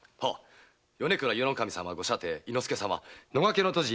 米倉伊予守様ご舎弟・猪之助様野駆けの途次